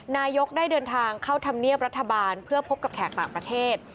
นายกได้เดินทางเข้าธรรมเนียบรัฐบาลเพื่อพบกับแขกต่างประเทศ